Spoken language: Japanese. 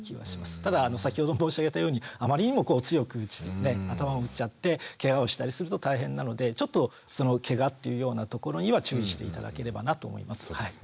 ただ先ほど申し上げたようにあまりにも強く頭を打っちゃってケガをしたりすると大変なのでちょっとそのケガっていうようなところには注意して頂ければなと思います。